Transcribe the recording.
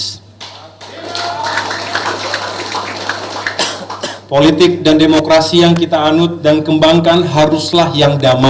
hai hai di politik dan demokrasi yang kita anut dan kembangkan haruslah yang damai